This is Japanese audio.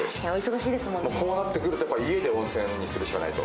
こうなってくると家で温泉にするしかないと。